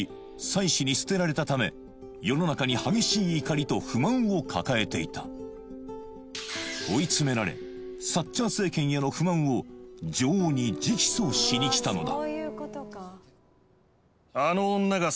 妻子に捨てられたため世の中に激しい怒りと不満を抱えていた追い詰められサッチャー政権への不満を女王に直訴しに来たのだ